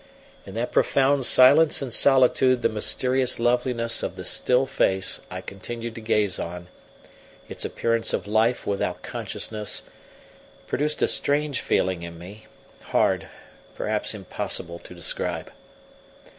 In that profound silence and solitude the mysterious loveliness of the still face I continued to gaze on, its appearance of life without consciousness, produced a strange feeling in me, hard, perhaps impossible, to describe.